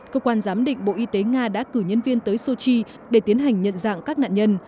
cơ quan giám định bộ y tế nga đã cử nhân viên tới sochi để tiến hành nhận dạng các nạn nhân